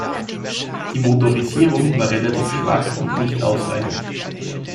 Die Motorisierung war relativ schwach und nicht ausreichend.